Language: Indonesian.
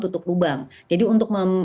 tutup lubang jadi untuk